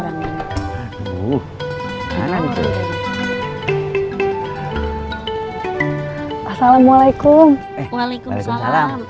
bang eulah bas tribes